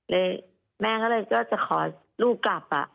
เลยแม่ก็เลยก็จะขอลูกกลับอ่ะ